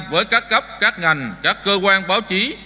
với các cấp các ngành các cơ quan báo chí